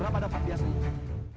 berapa dapat biasanya